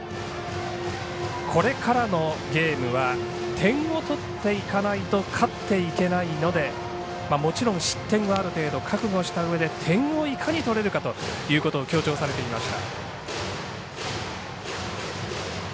これからのゲームは点を取っていかないと勝っていけないのでもちろん失点は、ある程度覚悟はしたうえで点をいかに取れるかということを強調されていました。